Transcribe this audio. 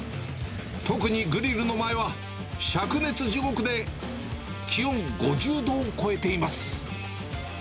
特にグリルの前は、しゃく熱地獄で、気温５０度を超えています。